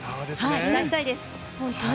期待したいです。